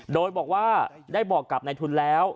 โดยบอกว่าได้บอกกับนายทุนแล้ว